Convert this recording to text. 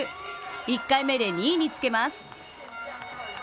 １回目で２位につけます。